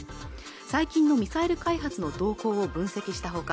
最近のミサイル開発の動向を分析したほか